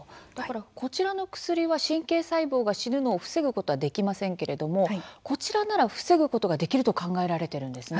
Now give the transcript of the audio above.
こちらの薬は神経細胞が死ぬのを防ぐことはできませんがこちらなら防ぐことができると考えられているんですね。